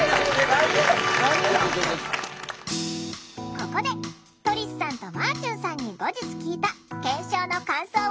ここでトリスさんとまぁちゅんさんに後日聞いた検証の感想を紹介！